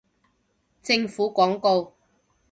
政府廣告